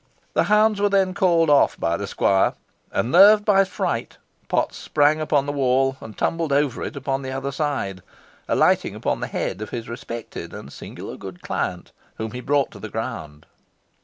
The hounds were then called off by the squire, and, nerved by fright, Potts sprang upon the wall, and tumbled over it upon the other side, alighting upon the head of his respected and singular good client, whom he brought to the ground.